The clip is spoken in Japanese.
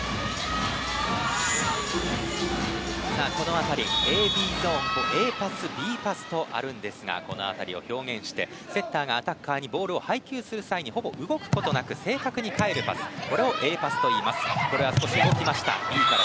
この辺り、Ａ、ＢゾーンＡパス、Ｂパスとあるんですがこの辺りを表現してセッターがアタッカーにボールを配球する際にほぼ動くことなく正確に返るパスをＡパスといいます。